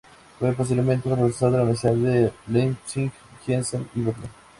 Fue posteriormente profesor de las Universidades de Leipzig, Giessen y Berlín.